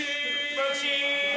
ボクシング。